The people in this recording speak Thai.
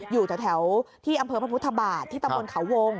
อยู่จากแถวที่อำเภอพทพฤธบาทที่ตะมณเขาโฮง